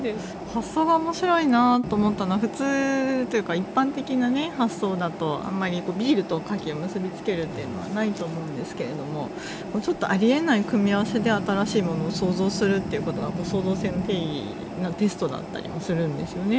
発想が面白いなと思ったのは普通というか一般的な発想だとあんまりビールとカキを結びつけるというのはないと思うんですけれどもちょっとあり得ない組み合わせで新しいものを創造するということが創造性のテストだったりするんですよね。